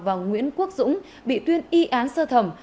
và nguyễn quốc dũng bị tuyên y án sơ thẩm